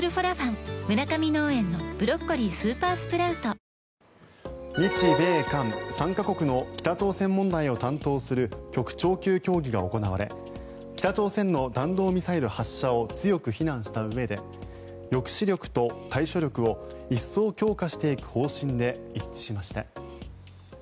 脂肪に選べる「コッコアポ」日米韓３か国の北朝鮮問題を担当する局長級協議が行われ北朝鮮の弾道ミサイル発射を強く非難したうえで抑止力と対処力を一層強化していく方針で一致しました。